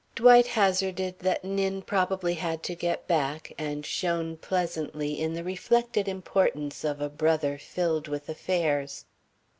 Dwight hazarded that Nin probably had to get back, and shone pleasantly in the reflected importance of a brother filled with affairs.